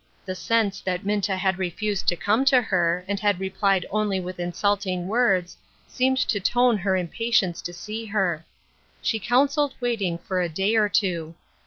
The sense that Minta had refused to come to her, and had replied only with insulting words, seemed to tone her im patience to see her. She counselled waiting for a day or two.